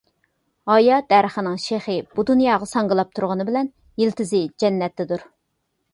ھايا دەرىخىنىڭ شېخى بۇ دۇنياغا ساڭگىلاپ تۇرغىنى بىلەن يىلتىزى جەننەتتىدۇر.